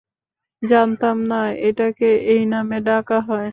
জানতাম না এটাকে এই নামে ডাকা হয়।